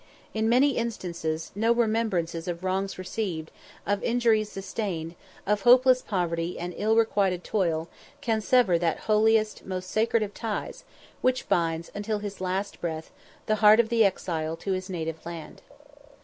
In many instances, no remembrances of wrongs received, of injuries sustained, of hopeless poverty and ill requited toil, can sever that holiest, most sacred of ties, which binds, until his latest breath, the heart of the exile to his native land.